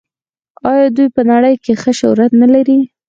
آیا دوی په نړۍ کې ښه شهرت نلري؟